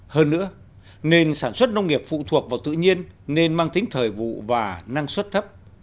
hơn nữa nền sản xuất nông nghiệp phụ thuộc vào tự nhiên nên mang tính thời vụ và năng suất thấp